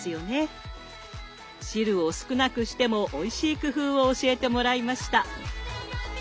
汁を少なくしてもおいしい工夫を教えてもらいました。